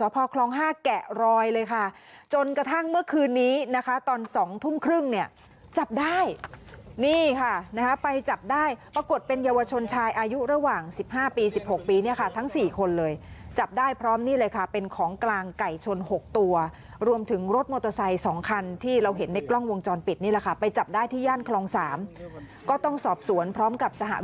สพคลอง๕แกะรอยเลยค่ะจนกระทั่งเมื่อคืนนี้นะคะตอน๒ทุ่มครึ่งเนี่ยจับได้นี่ค่ะนะฮะไปจับได้ปรากฏเป็นเยาวชนชายอายุระหว่าง๑๕ปี๑๖ปีเนี่ยค่ะทั้ง๔คนเลยจับได้พร้อมนี่เลยค่ะเป็นของกลางไก่ชน๖ตัวรวมถึงรถมอเตอร์ไซค์๒คันที่เราเห็นในกล้องวงจรปิดนี่แหละค่ะไปจับได้ที่ย่านคลอง๓ก็ต้องสอบสวนพร้อมกับสหวิ